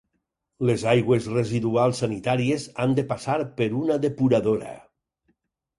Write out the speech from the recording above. Les aigües residuals sanitàries han de passar per una depuradora.